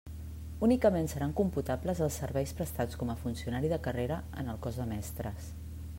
Únicament seran computables els serveis prestats com a funcionari de carrera en el cos de mestres.